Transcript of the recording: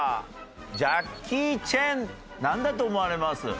ジャッキー・チェンなんだと思われます？